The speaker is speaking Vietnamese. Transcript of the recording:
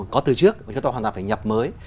có từ trước chúng ta hoàn toàn phải nhập mới